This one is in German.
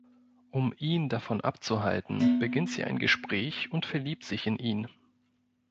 Um ihn davon abzuhalten, beginnt sie ein Gespräch und verliebt sich in ihn.